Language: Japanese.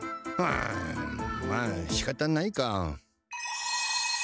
うむまあしかたないか。